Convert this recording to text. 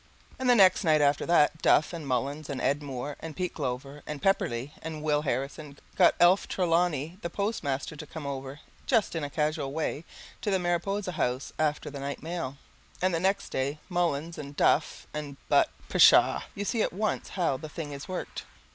And the next night after that Duff and Mullins and Ed Moore and Pete Glover and Pepperleigh and Will Harrison got Alf Trelawney, the postmaster, to come over, just in a casual way, to the Mariposa House, after the night mail, and the next day Mullins and Duff and But, pshaw! you see at once how the thing is worked.